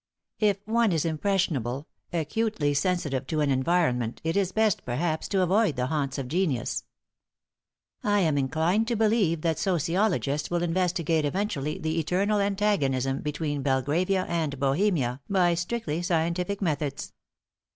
If one is impressionable, acutely sensitive to an environment, it is best, perhaps, to avoid the haunts of genius. I am inclined to believe that sociologists will investigate eventually the eternal antagonism between Belgravia and bohemia by strictly scientific methods.